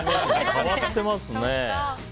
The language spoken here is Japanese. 変わってますね。